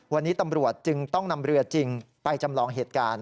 วันนี้ตำรวจจึงต้องนำเรือจริงไปจำลองเหตุการณ์